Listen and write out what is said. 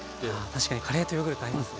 確かにカレーとヨーグルト合いますね。